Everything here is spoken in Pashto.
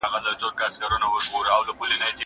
کېدای سي بازار ګڼه وي!؟